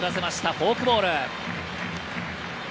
フォークボール。